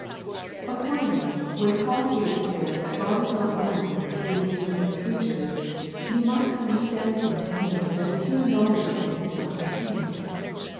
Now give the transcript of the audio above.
Accordingly, when Paul here declares that God is not known through means of his creatures, you must understand him to mean that a pure knowledge of him is not attained.